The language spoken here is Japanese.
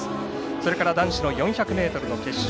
それから男子４００ｍ決勝。